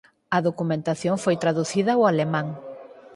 A documentación foi traducida ao alemán.